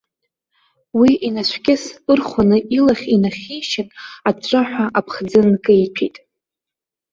Уи инацәкьыс ырхәаны илахь инахьишьын, аҵәҵәаҳәа аԥхӡы нкеиҭәеит.